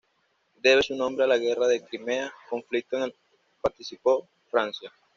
Debe su nombre a la Guerra de Crimea, conflicto en el participó Francia.